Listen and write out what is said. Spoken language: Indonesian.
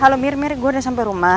halo mir mir gue udah sampe rumah